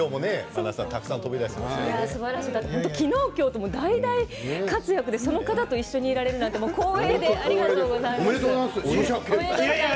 昨日今日と大大活躍でその方と一緒にいられるなんて光栄で、ありがとうございます。